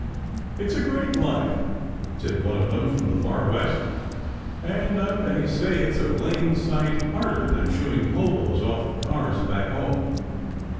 "It's a great life," said one of them from the Far West, "and I may say it's a blamed sight harder than shooing hoboes off the cars back home.